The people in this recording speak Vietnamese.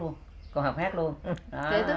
một mươi năm qua